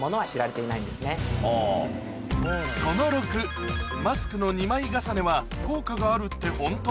その６マスクの２枚重ねは効果があるってホント？